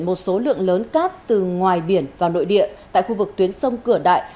một số lượng lớn cát từ ngoài biển vào nội địa tại khu vực tuyến sông cửa đại